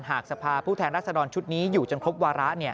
หากสภาผู้แทนรัศดรชุดนี้อยู่จนครบวาระ